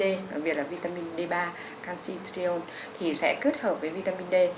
đặc biệt là vitamin d ba canxi triol thì sẽ kết hợp với vitamin d